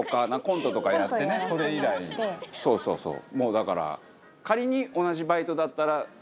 そうそうそう。